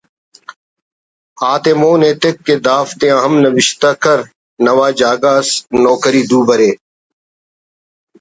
آ تے مون ایتک کہ ”دافتیا ہم نوشتہ کر نوا جاگہ اس نوکری دو برے